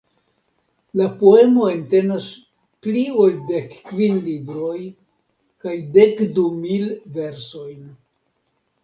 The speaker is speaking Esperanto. La poemo entenas pli ol dekkvin libroj kaj dekdu mil versojn.